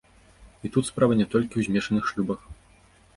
І тут справа не толькі ў змешаных шлюбах.